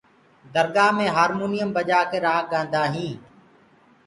درگآه مي هآمونيم بجآ ڪآ رآڳ گآندآ هينٚ۔